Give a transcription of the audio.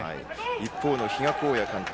一方の比嘉公也監督。